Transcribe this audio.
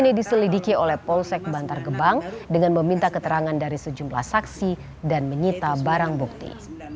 ini diselidiki oleh polsek bantar gebang dengan meminta keterangan dari sejumlah saksi dan menyita barang bukti